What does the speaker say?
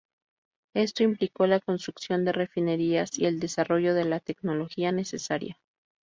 Esto implicó la construcción de refinerías y el desarrollo de la tecnología necesaria.